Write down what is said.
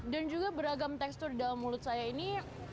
dan juga beragam tekstur di dalam mulut saya ini